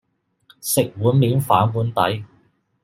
食碗麵反碗底